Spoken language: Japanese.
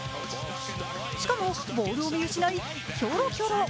しかもボールを見失いキョロキョロ。